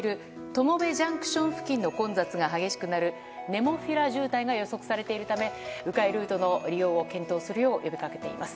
友部ＪＣＴ付近の混雑が激しくなるネモフィラ渋滞が予測されているため迂回ルートの利用を検討するよう呼びかけています。